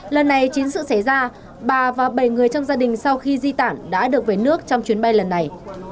lần này chính sự xảy ra bà và bảy người trong gia đình sau khi di tản đã được về nước trong chuyến bay lần này